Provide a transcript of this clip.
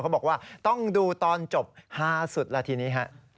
เขาบอกว่าต้องดูตอนจบ๕สุดละทีนี้